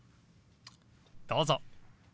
どうぞ。